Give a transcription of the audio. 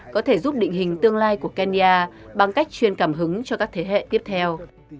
có thể giúp định hình tương lai của kenya bằng cách truyền cảm hứng cho các thế hệ tiếp theo